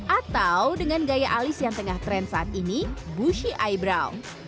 atau dengan gaya alis yang tengah tren saat ini bushi eyebrown